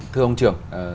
thưa ông trưởng